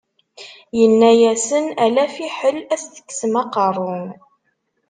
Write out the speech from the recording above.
Yenna-asen, ala fiḥel ad as-teksem aqerru.